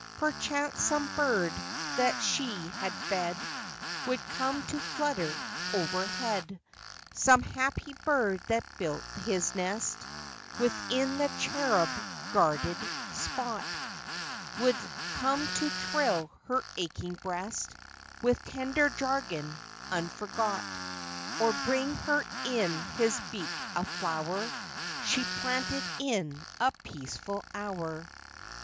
23 24 MA V. Perchance some bird that she had fed Would come to flutter overhead — Some happy bird that built his nest Within the cherub guarded spot, Would come to thrill her aching breast With tender jargon, unforgot ; Or bring her in his beak a flower She planted in a peaceful hour.